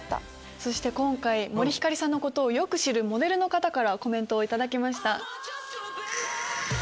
そして今回森星さんのことをよく知るモデルの方からコメントを頂きました。